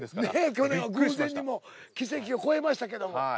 去年は偶然にも奇跡を越えましたけども。